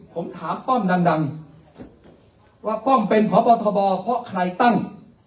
ผมถามป้อมดังว่าป้อมเป็นพบทบเพราะใครตั้ง